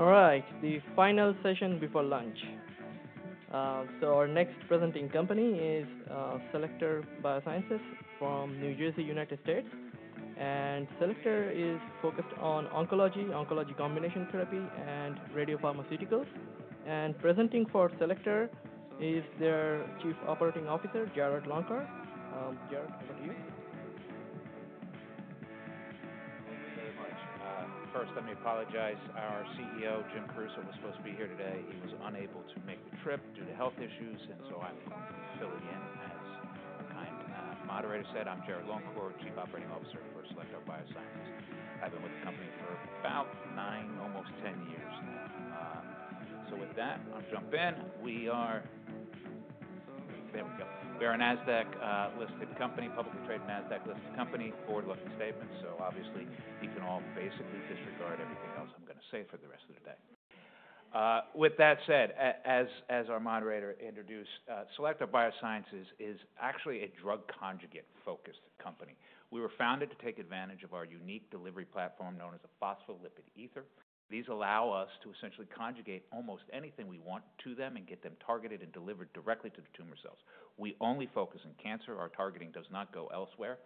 All right, the final session before lunch, so our next presenting company is Cellectar Biosciences from New Jersey, United States, and Cellectar is focused on oncology, oncology combination therapy, and radiopharmaceuticals, and presenting for Cellectar is their Chief Operating Officer, Jarrod Longcor. Jarrod, over to you. Thank you very much. First, let me apologize. Our CEO, Jim Caruso, was supposed to be here today. He was unable to make the trip due to health issues, and so I'm filling in, as our kind moderator said. I'm Jarrod Longcor, Chief Operating Officer for Cellectar Biosciences. I've been with the company for about nine, almost ten years now. So with that, I'll jump in. We are a NASDAQ-listed company, publicly traded NASDAQ-listed company, forward-looking statements. So obviously, you can all basically disregard everything else I'm going to say for the rest of the day. With that said, as our moderator introduced, Cellectar Biosciences is actually a drug-conjugate-focused company. We were founded to take advantage of our unique delivery platform known as a phospholipid ether. These allow us to essentially conjugate almost anything we want to them and get them targeted and delivered directly to the tumor cells. We only focus on cancer. Our targeting does not go elsewhere.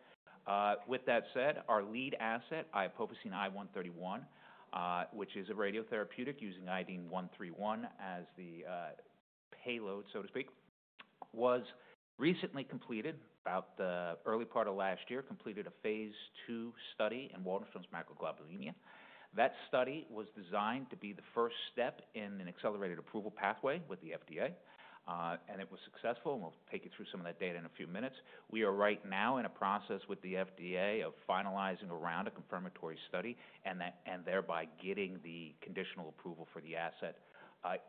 With that said, our lead asset, iopofosine I-131, which is a radiotherapeutic using iodine-131 as the payload, so to speak, was recently completed, about the early part of last year, a phase II study in Waldenstrom's macroglobulinemia. That study was designed to be the first step in an accelerated approval pathway with the FDA, and it was successful. We'll take you through some of that data in a few minutes. We are right now in a process with the FDA of finalizing around a confirmatory study and thereby getting the conditional approval for the asset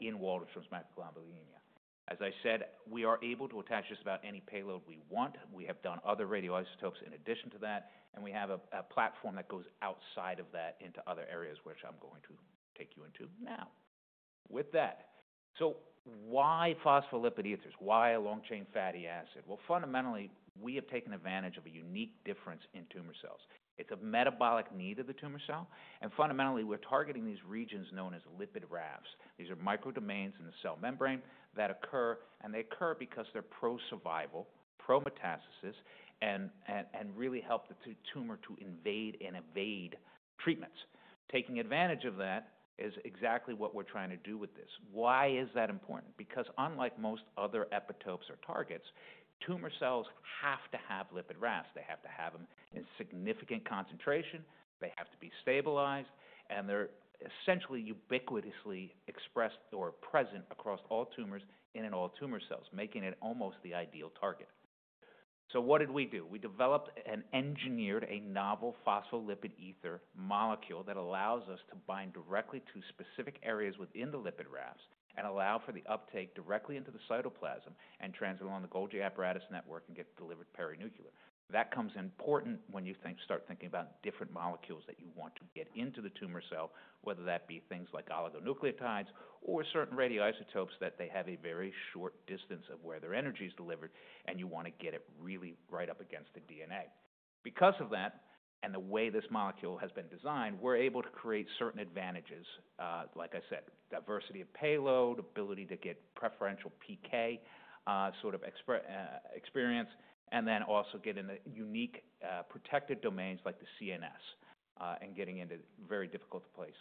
in Waldenstrom's macroglobulinemia. As I said, we are able to attach just about any payload we want. We have done other radioisotopes in addition to that, and we have a platform that goes outside of that into other areas, which I'm going to take you into now. With that, so why phospholipid ethers? Why a long-chain fatty acid? Well, fundamentally, we have taken advantage of a unique difference in tumor cells. It's a metabolic need of the tumor cell. And fundamentally, we're targeting these regions known as lipid rafts. These are micro-domains in the cell membrane that occur, and they occur because they're pro-survival, pro-metastasis, and really help the tumor to invade and evade treatments. Taking advantage of that is exactly what we're trying to do with this. Why is that important? Because unlike most other epitopes or targets, tumor cells have to have lipid rafts. They have to have them in significant concentration. They have to be stabilized, and they're essentially ubiquitously expressed or present across all tumors, and all tumor cells, making it almost the ideal target. So what did we do? We developed and engineered a novel phospholipid ether molecule that allows us to bind directly to specific areas within the lipid rafts and allow for the uptake directly into the cytoplasm and transit along the Golgi apparatus network and get delivered perinuclear. That comes in important when you start thinking about different molecules that you want to get into the tumor cell, whether that be things like oligonucleotides or certain radioisotopes that they have a very short distance of where their energy is delivered, and you want to get it really right up against the DNA. Because of that and the way this molecule has been designed, we're able to create certain advantages, like I said, diversity of payload, ability to get preferential PK sort of experience, and then also get in the unique protected domains like the CNS and getting into very difficult places.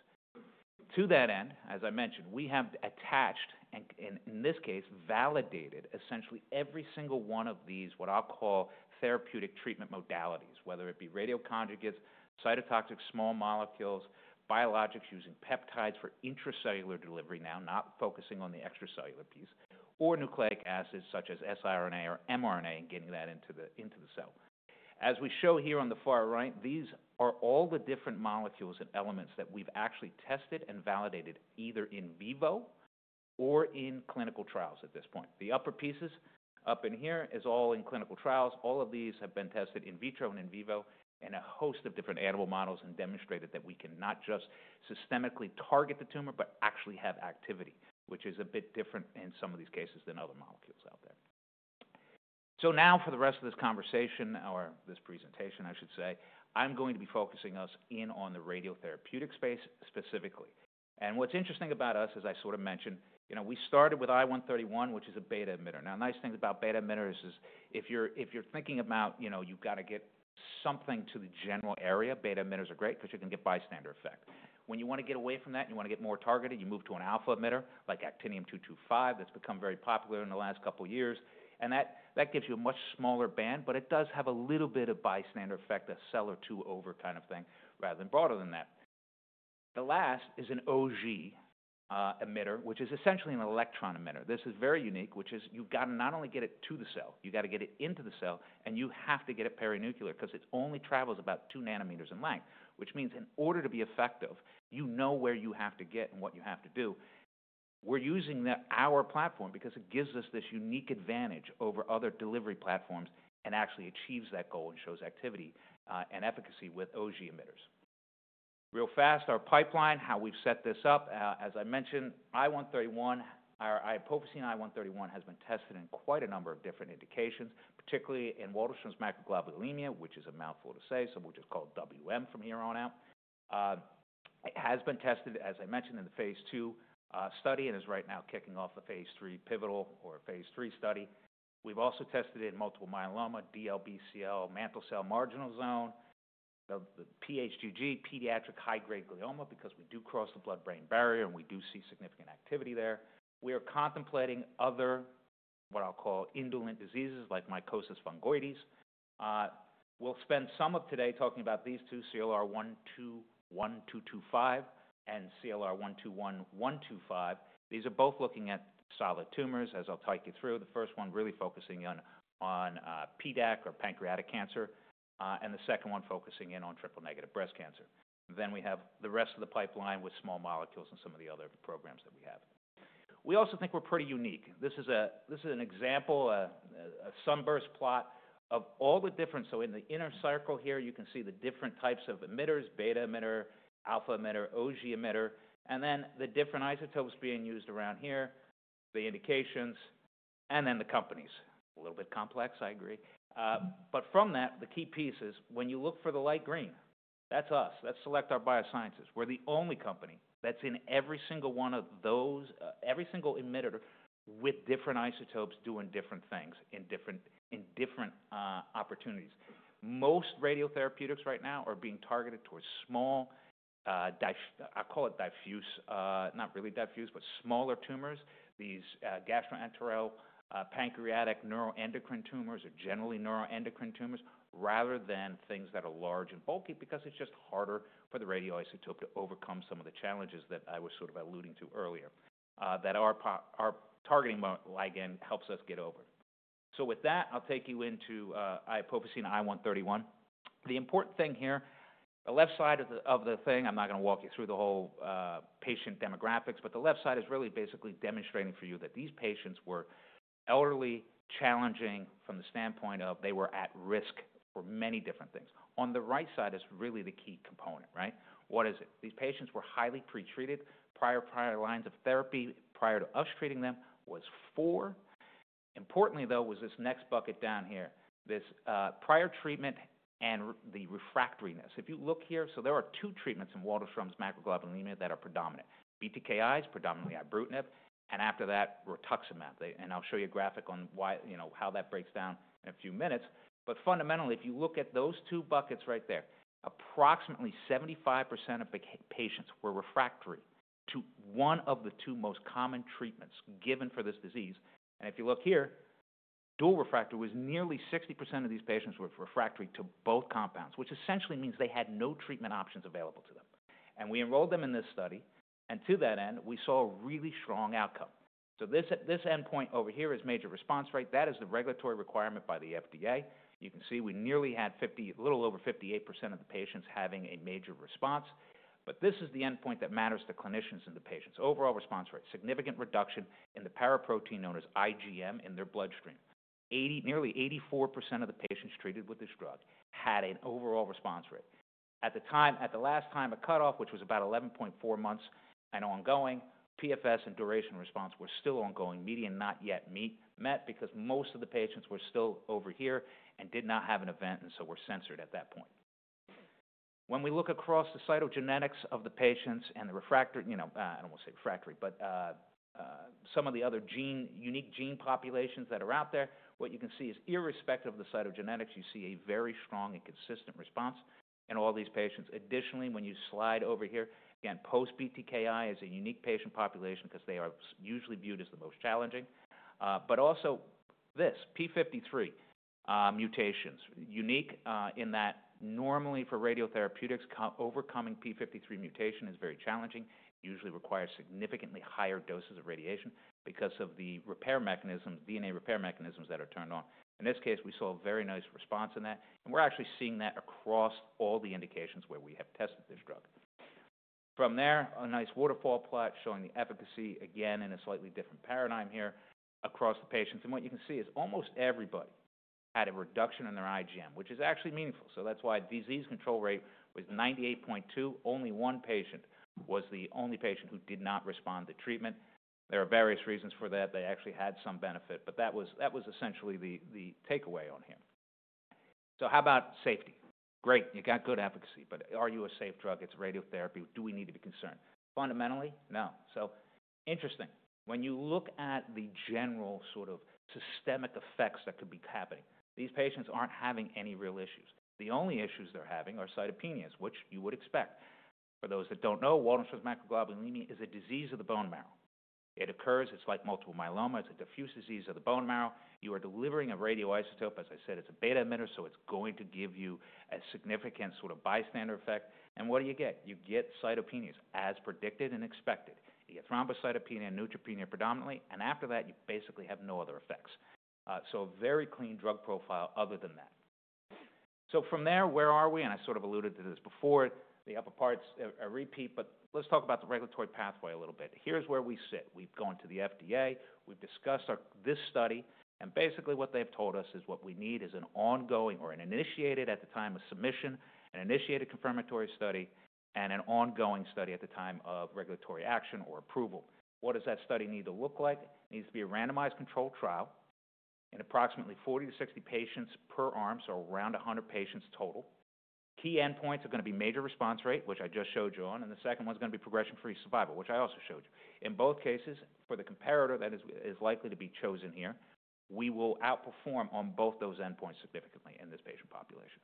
To that end, as I mentioned, we have attached and, in this case, validated essentially every single one of these what I'll call therapeutic treatment modalities, whether it be radioconjugates, cytotoxic small molecules, biologics using peptides for intracellular delivery now, not focusing on the extracellular piece, or nucleic acids such as siRNA and mRNA and getting that into the cell. As we show here on the far right, these are all the different molecules and elements that we've actually tested and validated either in vivo or in clinical trials at this point. The upper pieces up in here are all in clinical trials. All of these have been tested in vitro and in vivo in a host of different animal models and demonstrated that we can not just systemically target the tumor, but actually have activity, which is a bit different in some of these cases than other molecules out there, so now for the rest of this conversation, or this presentation, I should say, I'm going to be focusing us in on the radiotherapeutic space specifically, and what's interesting about us, as I sort of mentioned, we started with I-131, which is a beta emitter. Now, nice things about beta emitters is if you're thinking about, you know, you've got to get something to the general area, beta emitters are great because you can get bystander effect. When you want to get away from that and you want to get more targeted, you move to an alpha emitter like actinium-225 that's become very popular in the last couple of years, and that gives you a much smaller band, but it does have a little bit of bystander effect, a cell or two over kind of thing, rather than broader than that. The last is an Auger emitter, which is essentially an electron emitter. This is very unique, which is you've got to not only get it to the cell, you've got to get it into the cell, and you have to get it perinuclear because it only travels about two nanometers in length, which means in order to be effective, you know where you have to get and what you have to do. We're using our platform because it gives us this unique advantage over other delivery platforms and actually achieves that goal and shows activity and efficacy with Auger emitters. Real fast, our pipeline, how we've set this up, as I mentioned, I-131, our iopofosine I-131 has been tested in quite a number of different indications, particularly in Waldenstrom's macroglobulinemia, which is a mouthful to say, so we'll just call it WM from here on out. It has been tested, as I mentioned, in the phase II study and is right now kicking off the phase III pivotal or phase III study. We've also tested it in multiple myeloma, DLBCL, mantle cell, marginal zone, the PHGG, pediatric high-grade glioma, because we do cross the blood-brain barrier and we do see significant activity there. We are contemplating other what I'll call indolent diseases like mycosis fungoides. We'll spend some of today talking about these two, CLR 121225 and CLR 121125. These are both looking at solid tumors, as I'll talk you through. The first one really focusing on PDAC or pancreatic cancer, and the second one focusing in on triple-negative breast cancer. Then we have the rest of the pipeline with small molecules and some of the other programs that we have. We also think we're pretty unique. This is an example, a sunburst plot of all the different in the inner circle here, you can see the different types of emitters: beta emitter, alpha emitter, Auger emitter, and then the different isotopes being used around here, the indications, and then the companies. A little bit complex, I agree. But from that, the key piece is when you look for the light green, that's us. That's Cellectar Biosciences. We're the only company that's in every single one of those, every single emitter with different isotopes doing different things in different opportunities. Most radiotherapeutics right now are being targeted towards small, I'll call it diffuse, not really diffuse, but smaller tumors. These gastrointestinal, pancreatic, neuroendocrine tumors are generally neuroendocrine tumors rather than things that are large and bulky because it's just harder for the radioisotope to overcome some of the challenges that I was sort of alluding to earlier that our targeting ligand helps us get over. So with that, I'll take you into iopofosine I-131. The important thing here, the left side of the thing, I'm not going to walk you through the whole patient demographics, but the left side is really basically demonstrating for you that these patients were elderly, challenging from the standpoint of they were at risk for many different things. On the right side is really the key component, right? What is it? These patients were highly pretreated. Prior lines of therapy prior to us treating them was four. Importantly, though, was this next bucket down here, this prior treatment and the refractoriness. If you look here, so there are two treatments in Waldenstrom's macroglobulinemia that are predominant. BTKi is predominantly ibrutinib, and after that, rituximab, and I'll show you a graphic on why, you know, how that breaks down in a few minutes, but fundamentally, if you look at those two buckets right there, approximately 75% of patients were refractory to one of the two most common treatments given for this disease, and if you look here, dual refractory was nearly 60% of these patients were refractory to both compounds, which essentially means they had no treatment options available to them. And we enrolled them in this study, and to that end, we saw a really strong outcome. So this endpoint over here is major response rate. That is the regulatory requirement by the FDA. You can see we nearly had a little over 58% of the patients having a major response. But this is the endpoint that matters to clinicians and the patients. Overall response rate, significant reduction in the paraprotein known as IgM in their bloodstream. Nearly 84% of the patients treated with this drug had an overall response rate. At the time, at the last time, a cutoff, which was about 11.4 months and ongoing, PFS and duration response were still ongoing, median not yet met because most of the patients were still over here and did not have an event and so were censored at that point. When we look across the cytogenetics of the patients and the refractory, you know, I don't want to say refractory, but some of the other gene, unique gene populations that are out there, what you can see is irrespective of the cytogenetics, you see a very strong and consistent response in all these patients. Additionally, when you slide over here, again, post-BTKi is a unique patient population because they are usually viewed as the most challenging. But also this, p53 mutations, unique in that normally for radiotherapeutics, overcoming p53 mutation is very challenging. It usually requires significantly higher doses of radiation because of the repair mechanisms, DNA repair mechanisms that are turned on. In this case, we saw a very nice response in that, and we're actually seeing that across all the indications where we have tested this drug. From there, a nice waterfall plot showing the efficacy, again, in a slightly different paradigm here across the patients. And what you can see is almost everybody had a reduction in their IgM, which is actually meaningful. So that's why disease control rate was 98.2%. Only one patient was the only patient who did not respond to treatment. There are various reasons for that. They actually had some benefit, but that was essentially the takeaway on here. So how about safety? Great. You got good efficacy, but are you a safe drug? It's radiotherapy. Do we need to be concerned? Fundamentally, no. So interesting. When you look at the general sort of systemic effects that could be happening, these patients aren't having any real issues. The only issues they're having are cytopenias, which you would expect. For those that don't know, Waldenstrom's macroglobulinemia is a disease of the bone marrow. It occurs. It's like multiple myeloma. It's a diffuse disease of the bone marrow. You are delivering a radioisotope. As I said, it's a beta emitter, so it's going to give you a significant sort of bystander effect. And what do you get? You get cytopenias as predicted and expected. You get thrombocytopenia and neutropenia predominantly, and after that, you basically have no other effects. So a very clean drug profile other than that. So from there, where are we? And I sort of alluded to this before. The upper part's a repeat, but let's talk about the regulatory pathway a little bit. Here's where we sit. We've gone to the FDA. We've discussed this study, and basically what they've told us is what we need is an ongoing or an initiated at the time of submission, an initiated confirmatory study, and an ongoing study at the time of regulatory action or approval. What does that study need to look like? Needs to be a randomized controlled trial in approximately 40-60 patients per arm, so around 100 patients total. Key endpoints are going to be major response rate, which I just showed you on, and the second one's going to be progression-free survival, which I also showed you. In both cases, for the comparator that is likely to be chosen here, we will outperform on both those endpoints significantly in this patient population.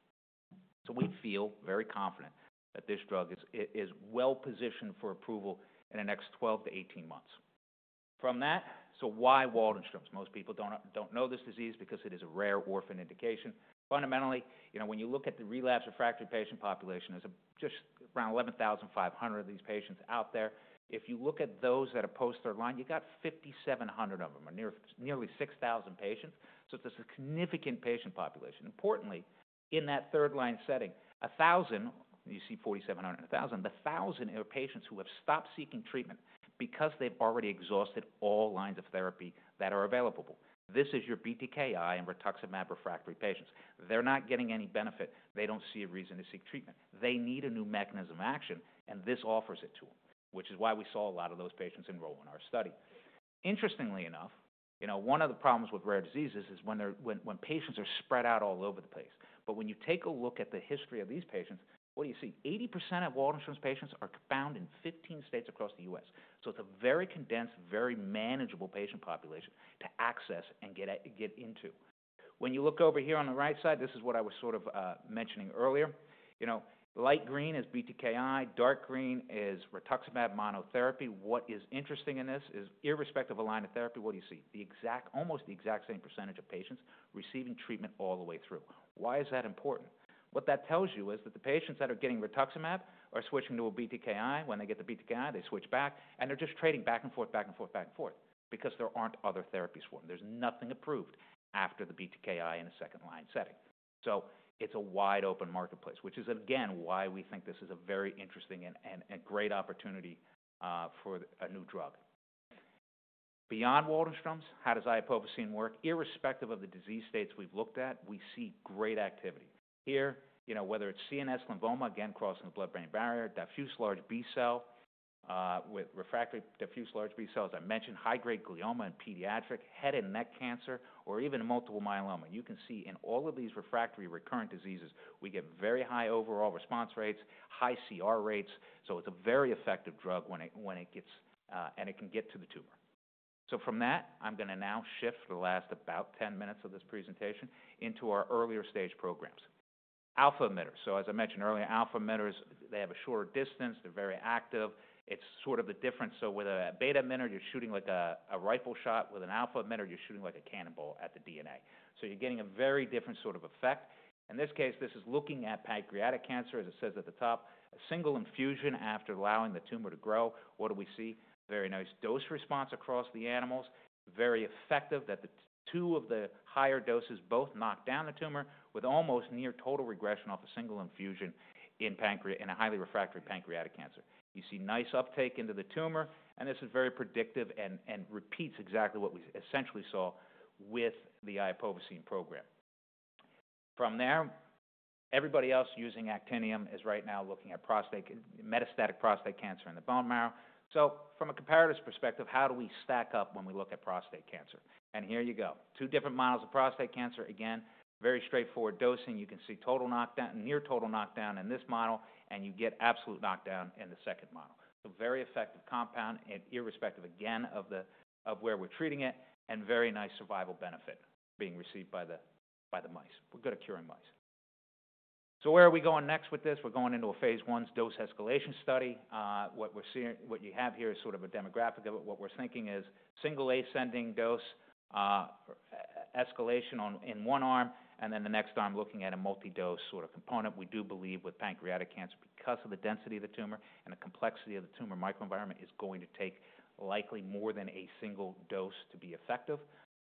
So we feel very confident that this drug is well positioned for approval in the next 12-18 months. From that, so why Waldenstrom's? Most people don't know this disease because it is a rare orphan indication. Fundamentally, you know, when you look at the relapsed refractory patient population, there's just around 11,500 of these patients out there. If you look at those that are post-third line, you got 5,700 of them, or nearly 6,000 patients. So it's a significant patient population. Importantly, in that third line setting, 1,000. You see 4,700 and 1,000. The 1,000 are patients who have stopped seeking treatment because they've already exhausted all lines of therapy that are available. This is your BTKi and rituximab refractory patients. They're not getting any benefit. They don't see a reason to seek treatment. They need a new mechanism of action, and this offers it to them, which is why we saw a lot of those patients enroll in our study. Interestingly enough, you know, one of the problems with rare diseases is when patients are spread out all over the place. But when you take a look at the history of these patients, what do you see? 80% of Waldenstrom's patients are found in 15 states across the U.S. So it's a very condensed, very manageable patient population to access and get into. When you look over here on the right side, this is what I was sort of mentioning earlier. You know, light green is BTKi. Dark green is rituximab monotherapy. What is interesting in this is irrespective of the line of therapy, what do you see? The exact, almost the exact same percentage of patients receiving treatment all the way through. Why is that important? What that tells you is that the patients that are getting rituximab are switching to a BTKi. When they get the BTKi, they switch back, and they're just trading back and forth, back and forth, back and forth because there aren't other therapies for them. There's nothing approved after the BTKi in a second line setting. So it's a wide open marketplace, which is again why we think this is a very interesting and great opportunity for a new drug. Beyond Waldenstrom's, how does iopofosine I-131 work? Irrespective of the disease states we've looked at, we see great activity. Here, you know, whether it's CNS lymphoma, again, crossing the blood-brain barrier, diffuse large B cell with refractory diffuse large B cells, I mentioned high-grade glioma in pediatric, head and neck cancer, or even multiple myeloma. You can see in all of these refractory recurrent diseases, we get very high overall response rates, high CR rates. So it's a very effective drug when it gets, and it can get to the tumor. So from that, I'm going to now shift for the last about 10 minutes of this presentation into our earlier stage programs. Alpha emitters. So as I mentioned earlier, alpha emitters, they have a shorter distance. They're very active. It's sort of the difference. So with a beta emitter, you're shooting like a rifle shot. With an alpha emitter, you're shooting like a cannonball at the DNA. So you're getting a very different sort of effect. In this case, this is looking at pancreatic cancer, as it says at the top. A single infusion after allowing the tumor to grow, what do we see? Very nice dose response across the animals, very effective that the two of the higher doses both knock down the tumor with almost near total regression off a single infusion in a highly refractory pancreatic cancer. You see nice uptake into the tumor, and this is very predictive and repeats exactly what we essentially saw with the iopofosine I-131 program. From there, everybody else using actinium is right now looking at prostate, metastatic prostate cancer in the bone marrow. So from a comparator's perspective, how do we stack up when we look at prostate cancer? And here you go. Two different models of prostate cancer. Again, very straightforward dosing. You can see total knockdown, near total knockdown in this model, and you get absolute knockdown in the second model. So very effective compound and irrespective again of where we're treating it and very nice survival benefit being received by the mice. We're good at curing mice. So where are we going next with this? We're going into a phase I dose escalation study. What you have here is sort of a demographic of it. What we're thinking is single ascending dose escalation in one arm, and then the next arm looking at a multi-dose sort of component. We do believe with pancreatic cancer, because of the density of the tumor and the complexity of the tumor microenvironment, it's going to take likely more than a single dose to be effective.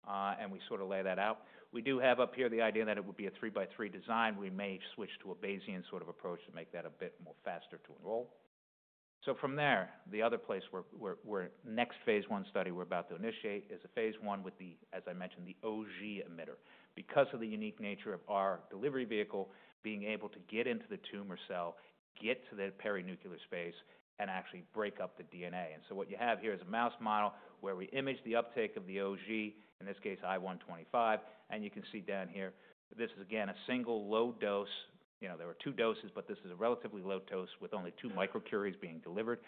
And we sort of lay that out. We do have up here the idea that it would be a three by three design. We may switch to a Bayesian sort of approach to make that a bit more faster to enroll. So from there, the other place where the next phase I study we're about to initiate is a phase I with the, as I mentioned, the Auger emitter. Because of the unique nature of our delivery vehicle being able to get into the tumor cell, get to the perinuclear space, and actually break up the DNA. And so what you have here is a mouse model where we image the uptake of the Auger, in this case I-125, and you can see down here. This is again a single low dose. You know, there were two doses, but this is a relatively low dose with only two microcuries being delivered,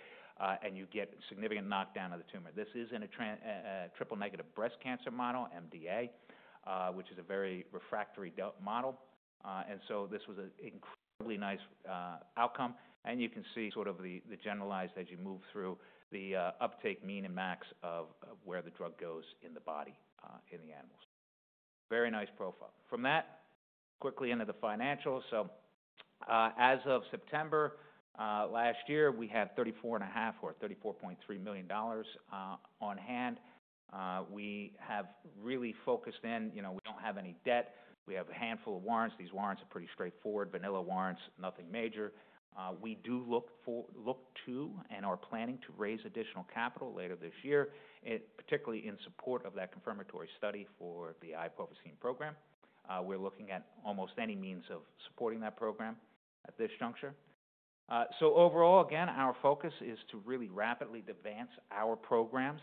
and you get significant knockdown of the tumor. This is in a triple-negative breast cancer model, MDA, which is a very refractory model. And so this was an incredibly nice outcome. You can see sort of the generalized as you move through the uptake mean and max of where the drug goes in the body in the animals. Very nice profile. From that, quickly into the financials. As of September last year, we had 34.5 or $34.3 million on hand. We have really focused in, you know, we don't have any debt. We have a handful of warrants. These warrants are pretty straightforward, vanilla warrants, nothing major. We do look to and are planning to raise additional capital later this year, particularly in support of that confirmatory study for the iopofosine program. We're looking at almost any means of supporting that program at this juncture. Overall, again, our focus is to really rapidly advance our programs.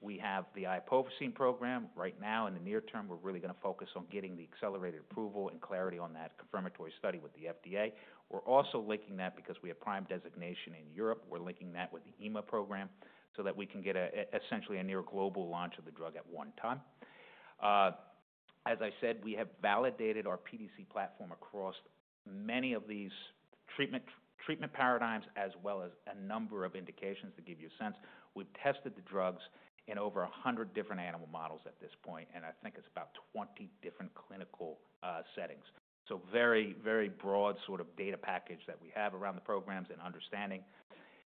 We have the iopofosine program right now. In the near term, we're really going to focus on getting the accelerated approval and clarity on that confirmatory study with the FDA. We're also linking that because we have PRIME designation in Europe. We're linking that with the EMA program so that we can get essentially a near global launch of the drug at one time. As I said, we have validated our PDC platform across many of these treatment paradigms, as well as a number of indications to give you a sense. We've tested the drugs in over 100 different animal models at this point, and I think it's about 20 different clinical settings. Very, very broad sort of data package that we have around the programs and understanding.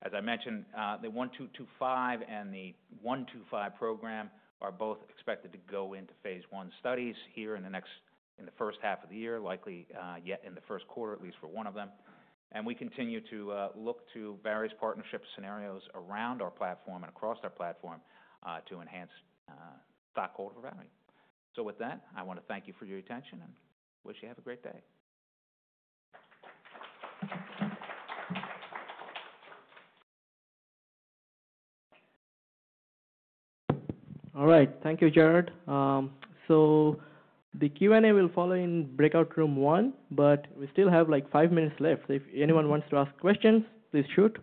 As I mentioned, the 1225 and the 125 program are both expected to go into phase I studies here in the next, in the first half of the year, likely yet in the first quarter, at least for one of them. And we continue to look to various partnership scenarios around our platform and across our platform to enhance stockholder revenue. So with that, I want to thank you for your attention and wish you have a great day. All right. Thank you, Jarrod. So the Q&A will follow in breakout room one, but we still have like five minutes left. If anyone wants to ask questions, please shoot.